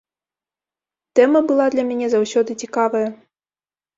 Тэма была для мяне заўсёды цікавая.